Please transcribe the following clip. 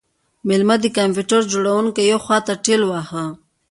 میلمه د کمپیوټر جوړونکی یوې خواته ټیل واهه